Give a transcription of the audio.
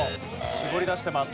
絞り出してます。